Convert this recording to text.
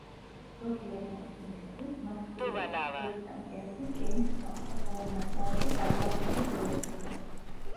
ზოგი ლეგენდის მიხედვით მას კბილები, ცხვირი და მკერდი რკინის ჰქონდა, ხოლო ნაწნავები დაკლაკნილი გველებისა.